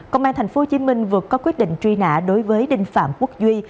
công an tp hcm vừa có quyết định truy nã đối với đinh phạm quốc duy